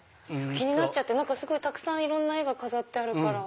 気になってすごいたくさんいろんな絵が飾ってあるから。